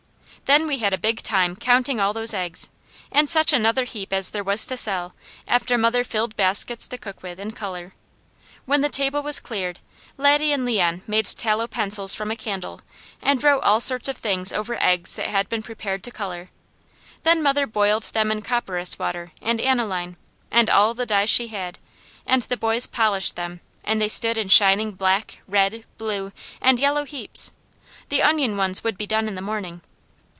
Then we had a big time counting all those eggs, and such another heap as there was to sell, after mother filled baskets to cook with and colour. When the table was cleared, Laddie and Leon made tallow pencils from a candle and wrote all sorts of things over eggs that had been prepared to colour. Then mother boiled them in copperas water, and aniline, and all the dyes she had, and the boys polished them, and they stood in shining black, red, blue and yellow heaps. The onion ones would be done in the morning.